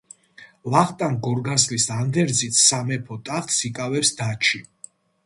ვახტანგ გორგასლის ანდერძით სამეფო ტახტს იკავებს დაჩი.